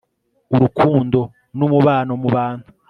urukundo n'umubano mu bantu